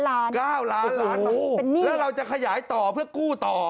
๙ล้านล้านแล้วเราจะขยายต่อเพื่อกู้ต่อ